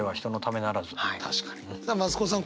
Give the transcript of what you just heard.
増子さん